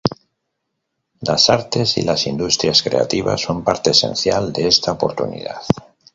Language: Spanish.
Las artes y las industrias creativas son parte esencial de esta oportunidad.